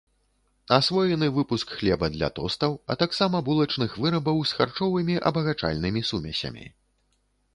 Асвоены выпуск хлеба для тостаў, а таксама булачных вырабаў з харчовымі абагачальнымі сумесямі.